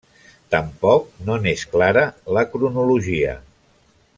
Tampoc no n'és clara la cronologia.